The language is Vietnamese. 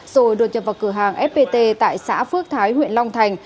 rồi đột nhập vào cửa hàng fpt tại xã phước thái huyện long thành